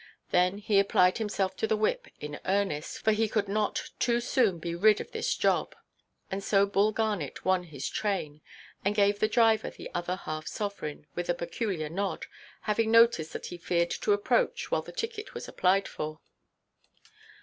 Then he applied himself to the whip in earnest, for he could not too soon be rid of this job; and so Bull Garnet won his train, and gave the driver the other half–sovereign, with a peculiar nod, having noticed that he feared to approach while the ticket was applied for.